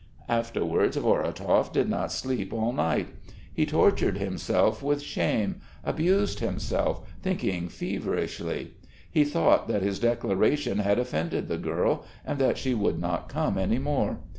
Afterwards Vorotov did not sleep all night; he tortured himself with shame, abused himself, thinking feverishly. He thought that his declaration had offended the girl and that she would not come any more.